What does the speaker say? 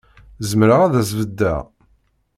Zemreɣ ad as-beddeɣ.